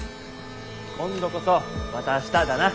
今度こそまた明日だな。